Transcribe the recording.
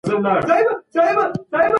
ميرمن د خاوند مرستياله او مرستندويه ده.